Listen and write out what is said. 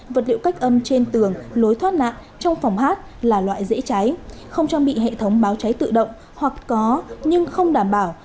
vật liệu cách âm trên tường lối thoát nạn trong phòng hát là loại dễ cháy không trang bị hệ thống báo cháy tự động hoặc có nhưng không đảm bảo